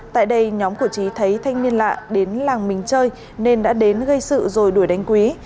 tại đây nhóm của trí thấy thanh niên lạ đến làng mình chơi nên đã đến gây sự rồi đuổi đánh quý